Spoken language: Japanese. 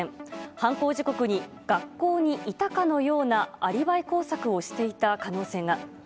犯行時刻に学校にいたかのようなアリバイ工作をしていた可能性が。